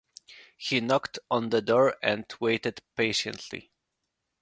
He knocked on the door and waited patiently.